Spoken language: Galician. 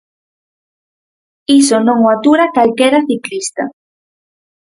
Iso non o atura calquera ciclista.